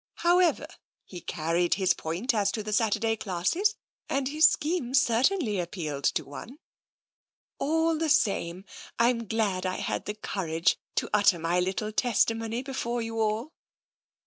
However, he car ried his point as to the Saturday classes, and his scheme certainly appealed to one. All the same, Tm glad I had the courage to utter my little testimony before you all."